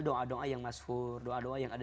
doa doa yang masud doa doa yang ada